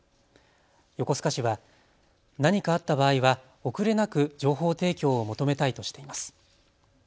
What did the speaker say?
横須賀市は何かあった場合は遅れなく情報提供を求めたいとしています。